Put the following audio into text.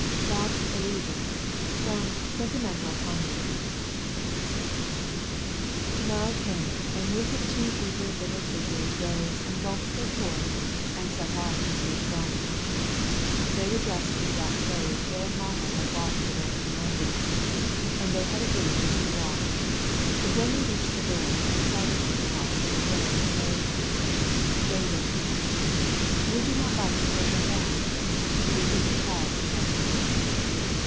LOST ILLUSIONS From 'Sentimental Tommy' To morrow came, and with it two eager little figures rose and gulped their porridge, and set off to see Thrums. They were dressed in the black clothes Aaron Latta had bought for them in London, and they had agreed just to walk, but when they reached the door and saw the tree tops of the Den they they ran. Would you not like to hold them back? It is a child's tragedy.